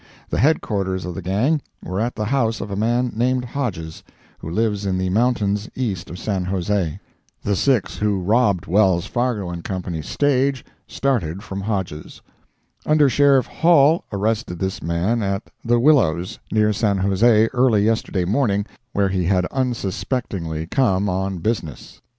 The headquarters of the gang were at the house of a man named Hodges, who lives in the mountains east of San Jose. The six who robbed Wells, Fargo and Co's stage, started from Hodges'. Under Sheriff Hall arrested this man at the "Willows," near San Jose, early yesterday morning, where he had unsuspectingly come on business.